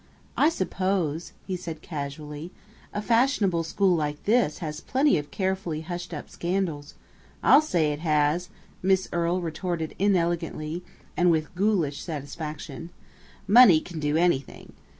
"I suppose," he said casually, "a fashionable school like this has plenty of carefully hushed up scandals " "I'll say it has!" Miss Earle retorted inelegantly, and with ghoulish satisfaction. "Money can do anything!